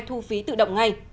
thu phí tự động ngay